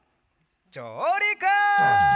じょうりく！